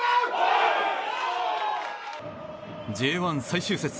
Ｊ１最終節。